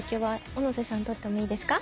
小野瀬さん撮ってもいいですか？